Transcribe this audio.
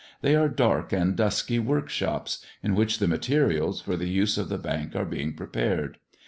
They are dark and dusky workshops, in which the materials for the use of the Bank are being prepared.